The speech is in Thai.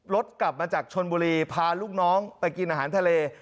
รถกลับมาจากชนบุรีพาลูกน้องไปกินอาหารทะเล